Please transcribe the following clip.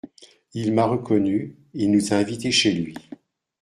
Il m’a reconnu, il nous a invités chez lui.